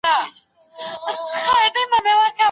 د مناره ګم ګشته کتاب چا راکړ؟